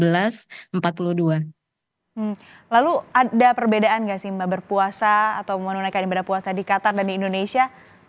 lalu ada perbedaan gak sih mbak berpuasa atau memenuhi keadaan berpuasa di qatar dan di indonesia